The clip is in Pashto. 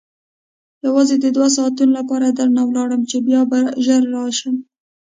یوازې د دوو ساعتو لپاره درنه ولاړم چې بیا به ژر راشم.